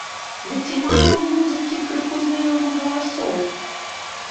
Ды ці мала ў музыкі крыху знаёмых галасоў?!